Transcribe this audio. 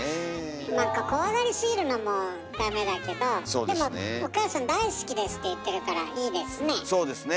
なんか怖がりすぎるのもダメだけどでもお母さん大好きですって言ってるからいいですね。